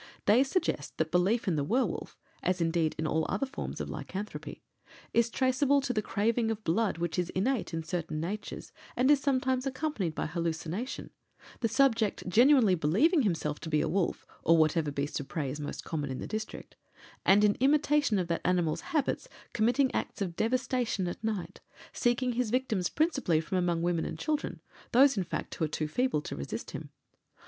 They suggest that belief in the werwolf (as indeed in all other forms of lycanthropy) is traceable to the craving for blood which is innate in certain natures and is sometimes accompanied by hallucination, the subject genuinely believing himself to be a wolf (or whatever beast of prey is most common in the district), and, in imitation of that animal's habits, committing acts of devastation at night, selecting his victims principally from among women and children those, in fact, who are too feeble to resist him.